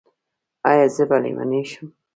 ایا زه به لیونۍ شم؟